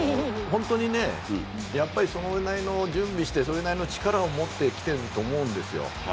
本当にねやっぱりそれなりの準備をしてそれなりの力を持ってきていると思うんですよ。